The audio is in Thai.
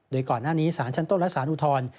โดยก่อนหน้านี้สารชั้นต้นและสารอุทธรณ์